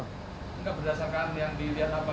tidak berdasarkan yang dilihat apa